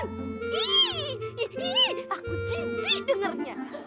aku cici dengernya